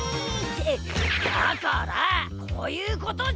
ってだからこういうことじゃ。